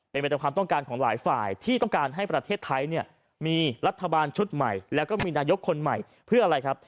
เป็นไปตามความต้องการของหลายฝ่ายที่ต้องการให้ประเทศไทยเนี่ยมีรัฐบาลชุดใหม่แล้วก็มีนายกคนใหม่เพื่ออะไรครับ